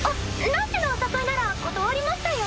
ランチのお誘いなら断りましたよ。